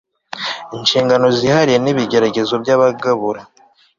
inshingano zihariye n'ibigeragezo by'abagabura